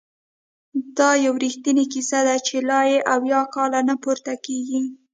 دا یو رښتینې کیسه ده چې لا یې اویا کاله نه پوره کیږي!